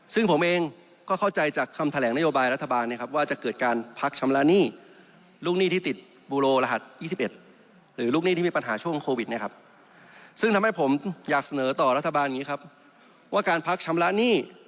ซึ่งทำให้ผมอยากเสนอต่อรัฐบาลอย่างนี้ครับว่าการพักชำระหนี้